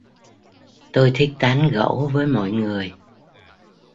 tôi thích tán gẫu với mọi người